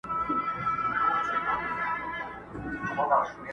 هره شمع یې ژړیږي کابل راسي!.